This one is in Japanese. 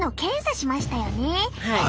はい。